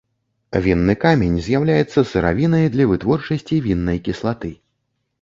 Вінны камень з'яўляецца сыравінай для вытворчасці віннай кіслаты.